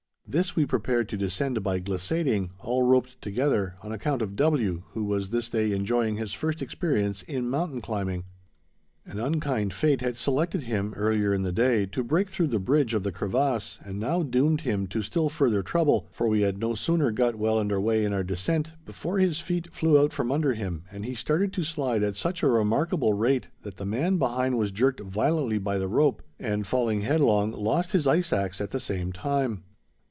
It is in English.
This we prepared to descend by glissading, all roped together, on account of W., who was this day enjoying his first experience in mountain climbing. An unkind fate had selected him, earlier in the day, to break through the bridge of the crevasse and now doomed him to still further trouble, for we had no sooner got well under way in our descent, before his feet flew out from under him, and he started to slide at such a remarkable rate that the man behind was jerked violently by the rope, and, falling headlong, lost his ice axe at the same time.